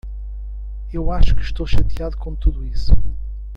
Eu acho que estou chateado com tudo isso.